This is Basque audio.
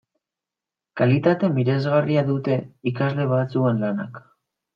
Kalitate miresgarria dute ikasle batzuen lanak.